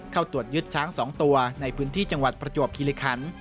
เข้าตรวจยึดช้าง๒ตัวในพื้นที่จังหวัดประจวบคิริคัน